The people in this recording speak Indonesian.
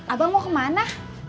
abang mau kemana